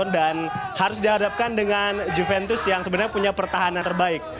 dan harus dihadapkan dengan juventus yang sebenarnya punya pertahanan terbaik